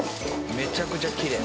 めちゃくちゃきれい！